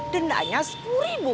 dendanya sepuluh ribu